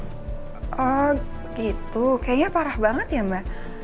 eeem gitu kayaknya parah banget ya mba